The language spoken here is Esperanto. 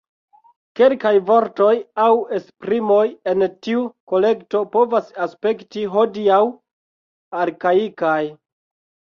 Kelkaj vortoj aŭ esprimoj en tiu kolekto povas aspekti hodiaŭ arkaikaj.